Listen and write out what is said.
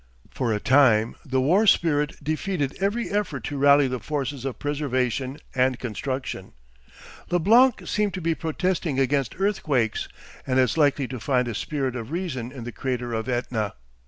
For a time the war spirit defeated every effort to rally the forces of preservation and construction. Leblanc seemed to be protesting against earthquakes, and as likely to find a spirit of reason in the crater of Etna.